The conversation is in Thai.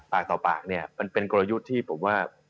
ปากต่อปากเนี่ยมันเป็นกลยุทธ์ที่ผมว่า